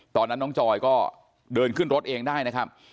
ตอนนั้นน้องจอยก็เดินขึ้นรถเองได้นะครับ